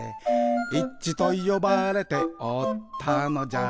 「『イッチ』とよばれておったのじゃ」